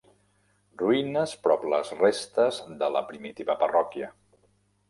Ruïnes prop les restes de la primitiva parròquia.